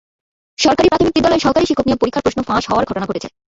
সরকারি প্রাথমিক বিদ্যালয়ের সহকারী শিক্ষক নিয়োগ পরীক্ষার প্রশ্ন ফাঁস হওয়ার ঘটনা ঘটেছে।